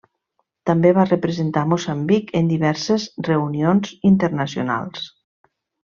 També va representar a Moçambic en diverses reunions internacionals.